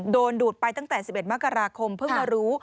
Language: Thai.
ดูดไปตั้งแต่๑๑มกราคมเพิ่งมารู้